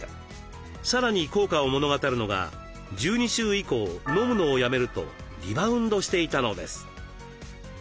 さらに効果を物語るのが１２週以降飲むのをやめるとリバウンドしていたのです。